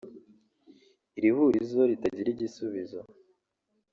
uri ihurizo ritagira igisubizo